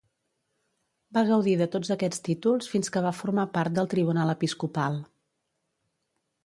Va gaudir de tots aquests títols fins que va formar part del tribunal episcopal.